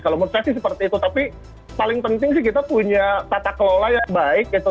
kalau menurut saya sih seperti itu tapi paling penting sih kita punya tata kelola yang baik gitu